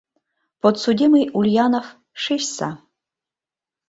— Подсудимый Ульянов, шичса!